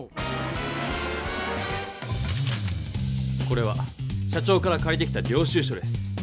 これは社長からかりてきた領収書です。